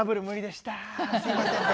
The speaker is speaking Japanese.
すいませんね。